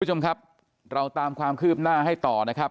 คุณผู้ชมครับเราตามความคืบหน้าให้ต่อนะครับ